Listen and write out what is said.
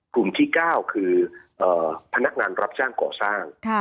กลุ่มที่๙คือพนักงานรับจ้างก่อสร้าง